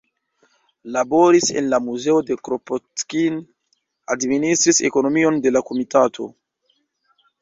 Laboris en la muzeo de Kropotkin, administris ekonomion de la komitato.